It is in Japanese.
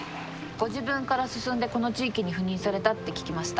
ご自分から進んでこの地域に赴任されたって聞きました。